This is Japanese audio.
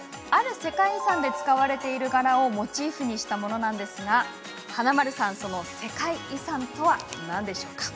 ある世界遺産で使われている柄をモチーフにしたものなんですが華丸さん、何でしょう？